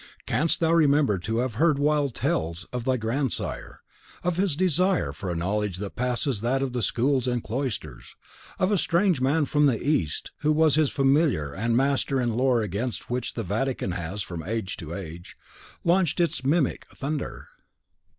Canst thou remember to have heard wild tales of thy grandsire; of his desire for a knowledge that passes that of the schools and cloisters; of a strange man from the East who was his familiar and master in lore against which the Vatican has, from age to age, launched its mimic thunder?